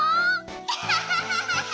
・キャハハハハハ！